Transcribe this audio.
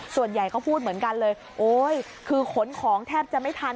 ส่วนใหญ่ก็พูดเหมือนกันเลยโอ๊ยคือขนของแทบจะไม่ทัน